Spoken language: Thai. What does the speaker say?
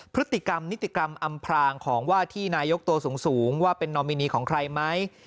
พฤติกรรมนิติกรรมอำพรางของว่าที่นายกตัวสูงว่าเป็นนอมินีของใครไหม